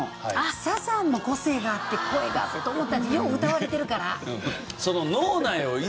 サザンも個性があって声がと思ったよう歌われてるから。